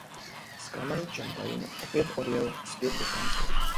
Zklamaný Champlain opět odjel zpět do Francie.